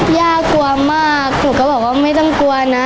ย่ากลัวมากหนูก็บอกว่าไม่ต้องกลัวนะ